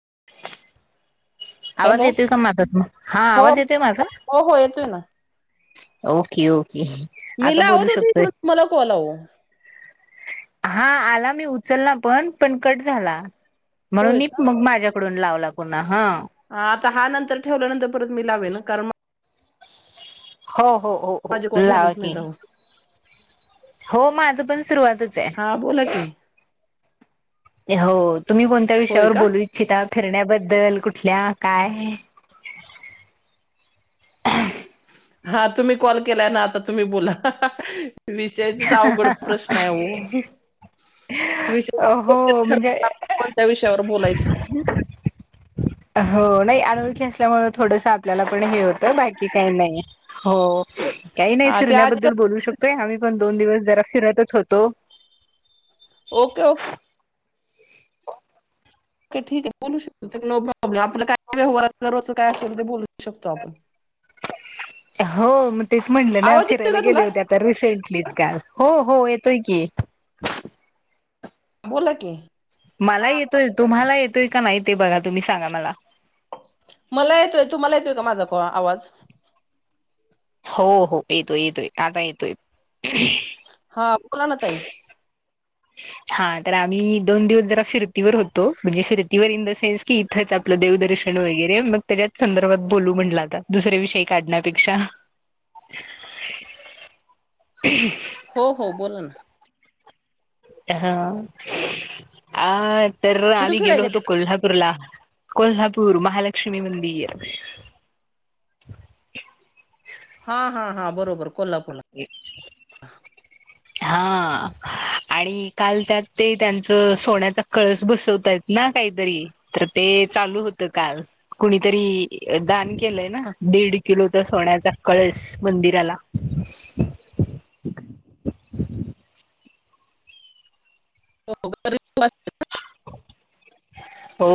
[inaudible] आवाज हॅलो येतोय का माझा त हा हो आवाज येतोय माझा हो हो येतोय ना ओ किओ मी लावत होतो हो वो हिकडून कॉल आव हा आला मी उचलला पण पण कट झाला म्हणून होय मी मग माझ्या पकडून लावला पुन्हा हा ह आता हा नंतर ठेवल्यानंतर परत मी लावेन कारण मग हो हो हो हो माझे कॉल झालेच लावाते नाहीत अहो हो म [unintelligible] सुरुवातच हा बोला आहे की हो तुम्ही कोणत्या होय विषयावर का बोलू इच्छिितता फिरण्याबद्दल कुठ तथल्या काय आहे हा तुम्ही कॉल केलाय ना आता तुम्ही बोला विषयाचा अवघड प्रश्न आहे हो विषय हो ठर म्हणजे कोणत विषयावर बोलायच हो नाही अनोळखी असल्यामुळे थोडस आपल्याला पण हे होतं बाकी काही नाही हो काही नाही हा ते आधी का. शिरण्याबद्दल बोलू शकतो ोय आम्ही पण दोन दिवस जरा फिरतच होतो ओके ओके ठीक आहे बोलू शकतो नो प्रॉब्लेम आपला काय व्यवार रोज काय असेल ते बोलू शकतो आपण हो मग तेच म्हटलं ना आवाज येतोय फिरायला का तुला गेले होते आता रिसेंटलीच काल हो हो पकीे बोला की मला येतोय तुम्हाला येतोय का नाही ते बघा तुम्ही सांगा मला मला येतोय तु मला येतोय का माझा आवाज हो हो येतोय येतोय आता येतोय हा बोला ना तई हा तर आम्ही दोन दिवस जरा फिरतीवर होतो म्हणजे फिरतीवर इन द सेन्स कि इथंच आपलं देवदर्शन वगैरे मग त्याच्याच संदर्भात बोलू म्हट आता दुसर्या विषयी काढण्यापेक्षा हो हो बोला ना हा आ तर कुठे आम्ही फिराय गेलो होतो गेले कोल्हापूरला कोल्हापूर महालक्ष्मी मंदिर हा हा हा बरोबर कोल्हापूरला हम् हा आणि काल त्यात ते त्यांचं सोन्याचा कळस बसवतय ना काहीतरी तर ते चालू होत काल कुणीतरी दान केलंय ना हा. दीड किलो च सोन्याचा कळस मंदिराला हो हो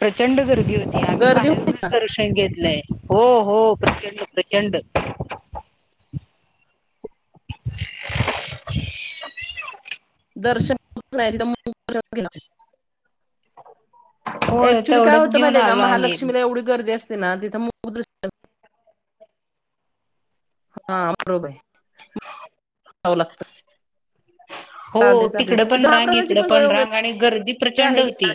प्रचंड गर्दी होती आम्ही गर्दी होती बाहेरूनच ना दर्शन घेतलंय हो हो प्रचंड प्रचंड दर्शन मुक गेला होय ऍक्च्युली काय तेवढंच होतं घेऊन माहिती का आलो आम्ही महालक्ष्मीला एवढी गर्दी असते. तिथे मुख दर्शन हा बरोबर आहे जा व लागत हो तिकड पण रांग प्रकारची इकड सोय पण रांग वगैरे आणि गर्दी प्रचंड आहे की होती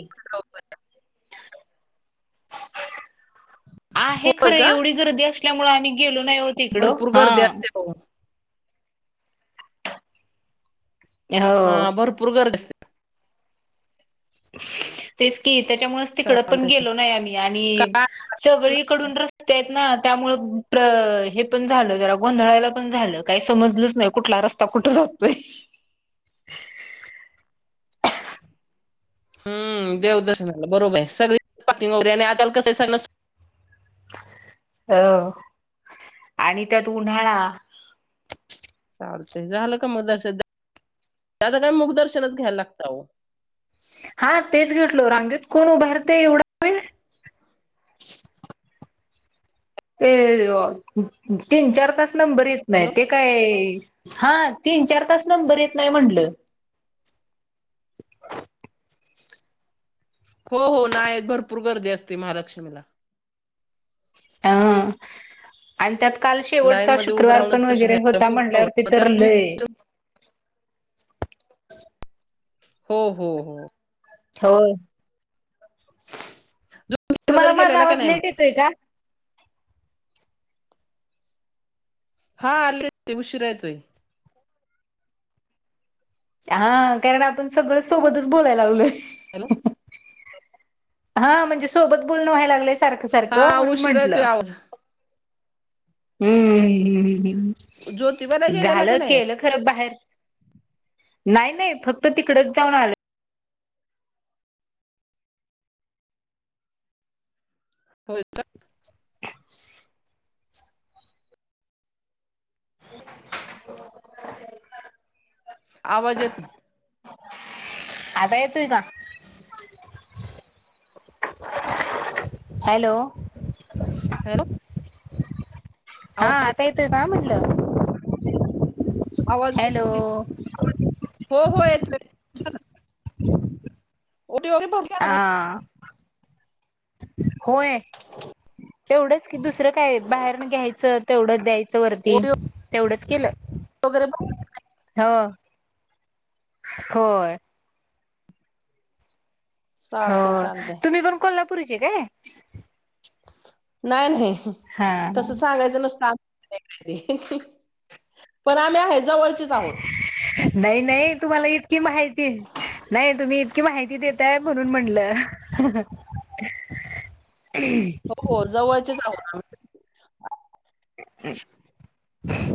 आहे होय खरं का एवढी गर्दी असते त्यामुळे आम्ही गेलो नाय नाही ऊ तिकडे भरपूर हा गर्दी असते हो हा हो भरपूर गर्दी असते [unintelligible] तेच की त्याच्यामुळेच तिकड पण चालतंय गेलो नाही आम्ही आणि काय सगळीकडून रस्ते आहेत ना त्यामुळ हे पण झालं जरा गोंधळायला पण झालं काही समजलच नाही कुठला रस्ता कुठ जातोय हम्म देवदर्शनाला बरोबर आहे सगळे पार्किंग आणि आता कसं आहे सणसूतीचे अह आणि त्यात उन्हाळा चालत झालं का मग दर्शन आता काय मुखदर्शन घ्यायला लागत हो हा तेच घेेतलो रांगेत कोण उभारते एवढा वेळ ते तीन चार तास नंबर येत नाही हॅलो ते काय हा तीन चार तास नंबर येत नाही म्हटलं [unintelligible] हो हो नाही भरपूर गर्दी असते महालक्ष्मीला अ आणि त्यात काल लाईन शेवटचा मध्ये उभं शुक्रवार राहून पण दर्शन वगैरे घ्यायला होता खूप म्हणल्यावर आवडतं तर त्यामुळे लय हो, हो, हो हो तुम्हाला वगैरे माझा गेलेला का आवाज नाही लेट मग येतोय का हा आले ते उशीरा यतोय हा कारण आपण सगळं सोबतच बोलायला लागलोय हॅलो हा म्हणजे सोबत बोलण व्हायला लागले सारख सारख हा म्हणून उशिरा येतोय म्हंटलं आवाज हम्म ज्योतिबाला हम्मम गेलेला का झालं नाही केलं खरं बाहेर नाही नाही फक्त तिकडच जाऊन आलोय होय का [inaudible] आवाज येत आता येतोय का हॅलो हॅलो हा आवा- आता येतोय का म्हटलं [inaudible] आवाज [inaudible] हो हो येतोय [inaudible] [inaudible] हा [inaudible] [inaudible] होय तेवढंच की दुसरं काय बाहेरन घ्यायचं तेवढंच द्यायचं वरती ओटी तेवढंच केलं हो [inaudible] होय हो चालतंय चालतंय तुम्ही पण कोल्हापूर पुरचे काय नाही नाही हा तसं सांगायचं नसत [inaudible] [inaudible] पण आम्ही आहेत नाही नाही तुम्हाला इतकी माहिती नाही तुम्ही कि माहिती देतय म्हणून म्हटलं ह हो हो जवळचेच आहोत [inaudible]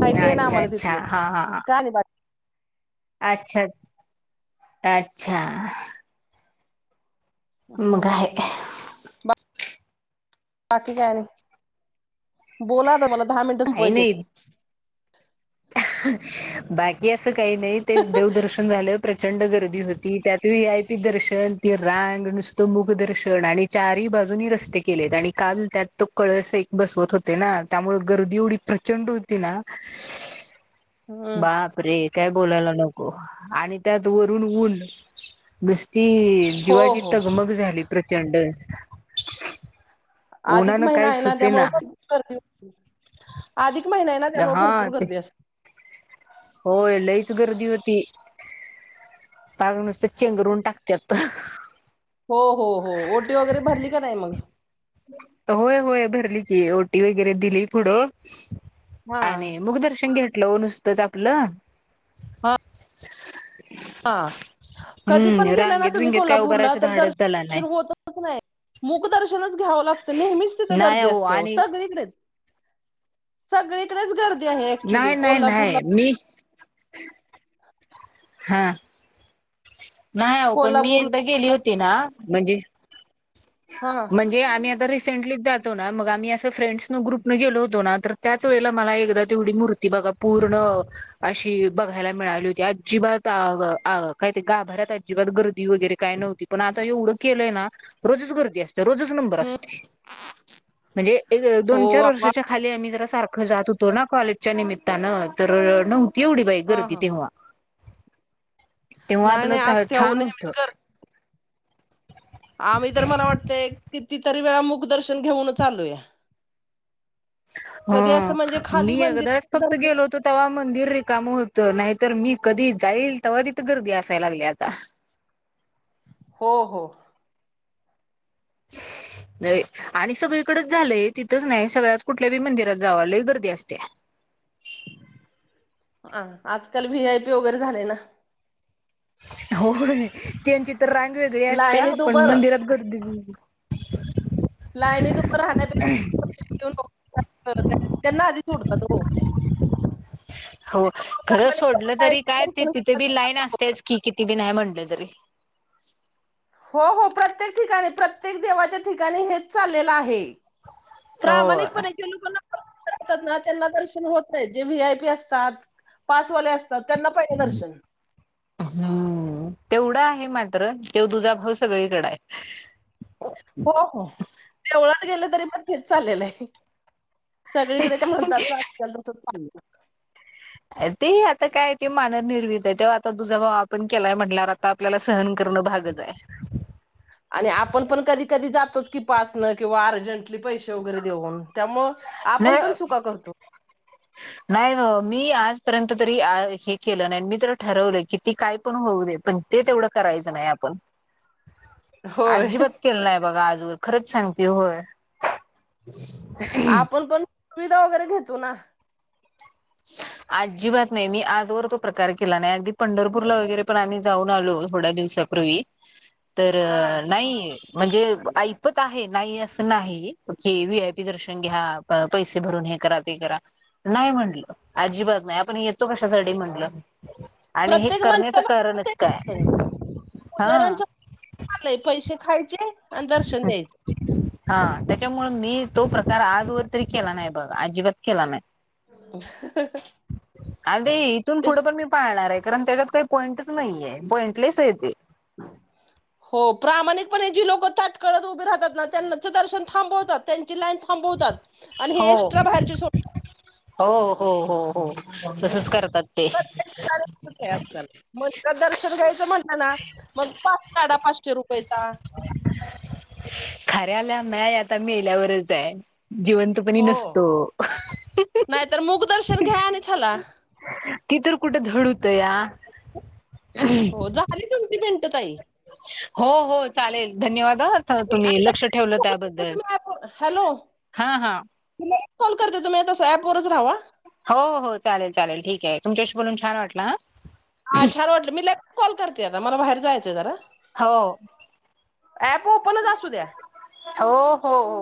माहिती आहे ना अच्छा आम्हाला अच्छा तिथलंच हा हा काय नाही बाकी अच्छाच्छ अच्छा मग आहे हम्म बाकी कायआणि बोला आता मला दहा मिनिट काही संपवायची नाही आहेत बाकी अस- असं काही नाही तेच देवदर्शन झालं. प्रचंड गर्दी होती त्यात व्ही आय पी दर्शन ती रांग नुसतं मुख दर्शन आणि चारही बाजूनी रस्ते केलेत आणि काल त्यात तो कळस एक बसवत होते ना त्यामुळे गर्दी एवढी प्रचंड होती ना- हम्म बापरे काय- बोलायला नको आणि त्यात वरून ऊन- ती हो जीवाची हो तगमग झाली. प्रचंड- अधिक उन्हानं काय महिनाय ना सुचे त्यामुळे भरपूर गर्दी अधिक महिनाय ना त्यामुळे हा भरपूर ते गर्दी असते. होय लईच गर्दी होती. पाग नुस चेंगरून टाकत्यात. हो हो हो ओटी वगैरे भरली का नाही मग. होय होय भरली की ओटी वगैरे दिली पुढं. हा आणि मुखदर्शन घे लंव नुसतच आपलं. हा हा कधी पण हम्म गेला ना रांगेत तुम्ही बिंगेत काय कोल्हापूरला उभारायचं तर धाडच झाला दर्शन नाही होतच नाही मूक दर्शनच घ्यावं लागत. नेहमीच तिंथ नाही गर्दी असते अहो आणि सगळीकडेच. सगळे डेच गर्दी आहे ऍक्च्युली नाही नाही कोल्हापूरला नाही मी हा. नाही हो पण मी एकदा कोल्हापूरला गेली पण होती ना म्हणजे हा म्हणजे आम्ही आता रीक रिसेंटली जातो ना मग आम्ही असं फ्रेंडस न ग्रुप न गेलो होतो ना तर त्याच वेळेला मला एकदा तेवढी मूर्ती बघा पूर्ण अशी बघायला मिळाली होती अजिबात आ ग आ काय ते गाभरात अजिबात गर्दी वगैरे काय नव्हती पण आता ऐवढ केलंय ना. रोज करतीया. रोजच नंबर हं, असते म्हणजे एक हो दोन चार बाबा वर्षाच्या खाली आम्ही जरा सारख जात होतो ना कॉलेजच्या निमित्तानं तर न तेवढी बाई हा गर्दी हा तेव्हा तेव्हा नाही नाही आपलं असते अहो छान होत. नेहमीच गर आम्ही तर मला वाटतय किती? तरी वेळा मुख दर्शन घेऊन आलू या. ह मी खाली मंदिर एकदाच फक्त दर्शन गेलो होतो तेव्हा मंदिर रिकाम होतं नाही. तर मी कधी जाईल तेव्हा तिथ गर्दी असायला लागली आता. हो हो. आणि सगळीकडेच झालंय तिथंच नाही सगळ्यात कुठल्या बी मंदिरात जावालाय गर्दी असते. हा आजकाल व्ही आयपी वगैरे झाले ना. हो त्यांची [unintelligible] तर रांग वेगळी असत्या लाईनीत पण मंदिरात गर्दी लायणी तु राहण्यापेक्ष [unintelligible] [unintelligible] हो खरं सोडलं तरी लाईनीत काय ते दर्शन तिथे घेतात, बी त्यांना लाईन थांबवतात. असतेच की किती बी नाही म्हणलं. [unintelligible] हो हो प्रत्येक ठिकाणी प्रत्येक देवाच्या ठिकाणी हेच चाललेलं आहे. हो प्रामाणिक पणच्या लोकांना. त्यांना दर्शन होत नाही जे व्ही आय पी असतात पासवाले असतात. तर त्यांना पहिलं दर्शन. हम्म तेवढा आहे मात्र तेव्हा तुझा भाऊ सगळीकड आहे. हो हो तेवढं. गेलं तरी पण हेच चाललेलं आहे. [unintelligible] ते आता काय ते मानवनिर्मित आहे तेव्हा आता तुझा भाव आपण. केलाय म्हणल्यावर आता आपल्याला सहन करणं भागच आहे. [inaudible] आणि आपण पण कधी कधी जातोच की पासनं किंवा अर्जंटली पैसे वगैरे देऊन. त्यामुळ आपण पण नाही चुका करतो. नाही मी आजपर्यंत तरी हे केलं नाही मी तर ठरवलंय की ती काय पण होऊ दे पण ते तेवढं करायचं नाही आपण. होय अजिबात केल नाय बघा अजून. खरच सांगती होय. आपण पण. सुविधा वगैरे घेतो ना. आजजीबात नाही मी आजवर तो प्रकार केला नाही अगदी पंढरपूरला वगैरे पण आम्ही जाऊन आलो थोड्या दिवसापूर्वी. तर हा नाही. म्हणजे ऐपत आहे नाही असं नाही की व्ही आय पी दर्शन घ्या पैसे भरून हे करा ते करा नाही म्हटलं. अजिबात नाही आपण येतो कशासाठी म्हंटलं. प्रत्येक काय माणसाला हा पुजाऱ्यांचय पैसे खायचे आणि दर्शन द्यायचे. हा त्याच्यामुळे मी तो प्रकार आजवर तरी केला नाही बघा अजिबात केला नाही. [inaudible] आधी इथून पुढं पण मी पाळणार आहे. कारण त्याच्यात काही पॉईंटच नाहीये, पॉईंटलेस आहे ते. हो प्रामाणिकपणे जी लोक तटकळत उभे राहतात ना त्यांच दर्शन थांबवतात. त्यांची लाईन थांबवतात आणि हे हो एक्सट्रा बाहेरचे सोडतात. हो हो हो हो. तसच करतात ते. तमण मग पास काढा पाचशे रुपयेचा. नाही आता मेल्यावरच आहे. जिवंतपणी हो, नसतो नाही तर मुख दर्शन घ्या आणि चला ति तर कुठे धड होतूया हो झाली तुमची हो ताई हो हो, चालेल, धन्यवाद! कुठे होत्या आणि तुम्ही आता लक्ष ठेवलं त्याबद्दल, तुम्ही हॅलो हा हा. मी लगेच कॉल करते तुम्ही आता ऍपवरचं राहावा. हो हो चालेल चालेल ठीक आहे तुमच्याशी बोलून छान वाटला हं. हा छान वाटले, मी लगेच कॉल करते आता, मला बाहेर जायचंय जरा. हो. ऍप ओपनच असू द्या. ओ हो हो ओ.